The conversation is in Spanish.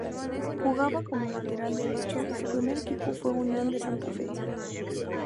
Jugaba como lateral derecho y su primer equipo fue Unión de Santa Fe.